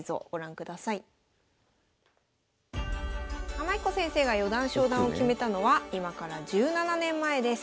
天彦先生が四段昇段を決めたのは今から１７年前です。